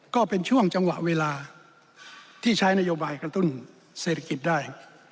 ก็เป็นช่วงจังหวะเวลาที่ใช้นโยบายกระตุ้นเศรษฐกิจได้